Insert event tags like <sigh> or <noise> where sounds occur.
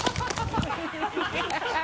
ハハハ <laughs>